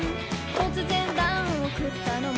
突然ダウンを食ったのも」